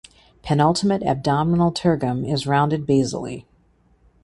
Penultimate abdominal tergum is rounded basally.